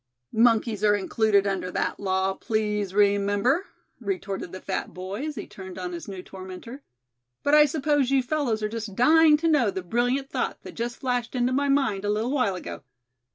"Monkeys are included under that law, please remember," retorted the fat boy, as he turned on his new tormentor. "But I suppose you fellows are just dying to know the brilliant thought that just flashed into my mind a little while ago?"